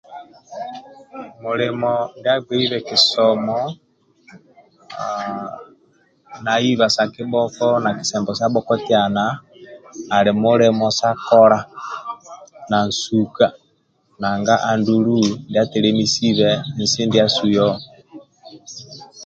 Mulimo ndia agbeibe kisomo aa na iba sa kibhoko na kisembo sa bhokotyana ali mulimo sa kola na nsuka nanga andulu ndia telemesibe nsi ndiasu yoho